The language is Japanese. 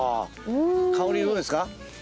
香りどうですか？